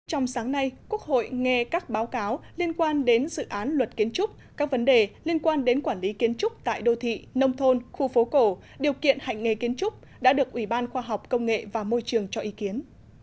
trong sáng nay quốc hội nghe các báo cáo liên quan đến dự án luật kiến trúc các vấn đề liên quan đến quản lý kiến trúc tại đô thị nông thôn khu phố cổ điều kiện hành nghề kiến trúc đã được ủy ban khoa học công nghệ và môi trường cho ý kiến